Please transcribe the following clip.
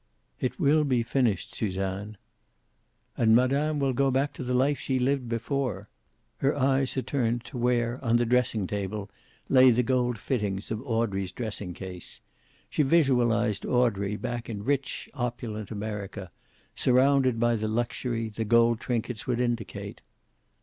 "It will be finished, Suzanne." "And Madame will go back to the life she lived before." Her eyes had turned to where, on the dressing table, lay the gold fittings of Audrey's dressing case. She visualized Audrey, back in rich, opulent America, surrounded by the luxury the gold trinkets would indicate.